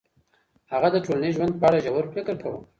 هغه د ټولنیز ژوند په اړه ژور فکر کاوه.